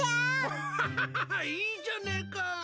ブハハハいいじゃねえか。